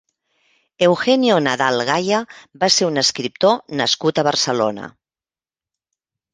Eugenio Nadal Gaya va ser un escriptor nascut a Barcelona.